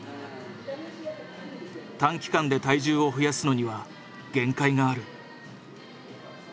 短期間で体重を増やすのには限界がある。